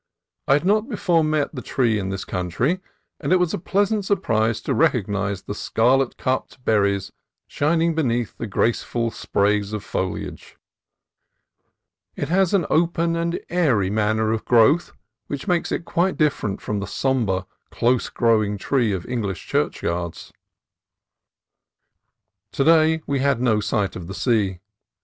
I had not before met the tree in this country, and it was a pleasant surprise to recognize the scarlet cupped berries shining beneath the graceful sprays of foliage. It has an open and airy manner of growth which makes it quite different from the sombre, close growing tree of English churchyards. To day we had no sight of the sea.